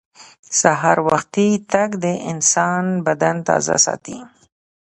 سهار وختي تګ د انسان بدن تازه ساتي